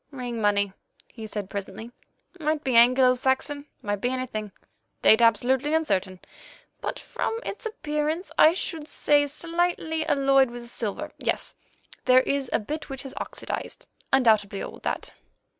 "Ring money," he said presently, "might be Anglo Saxon, might be anything; date absolutely uncertain, but from its appearance I should say slightly alloyed with silver; yes, there is a bit which has oxydized—undoubtedly old, that."